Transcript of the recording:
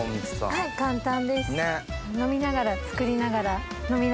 はい簡単です。